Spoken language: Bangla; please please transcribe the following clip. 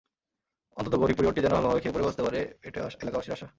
অন্তত গরিব পরিবারটি যেন ভালোভাবে খেয়েপরে বাঁচতে পারে এটাই এলাকাবাসীর আশা।